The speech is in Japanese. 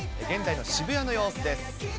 現在の渋谷の様子です。